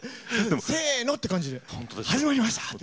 せーのっていう感じで始まりましたって。